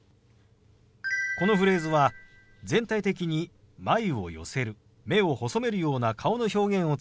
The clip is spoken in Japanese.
このフレーズは全体的に眉を寄せる目を細めるような顔の表現をつけるのがポイントです。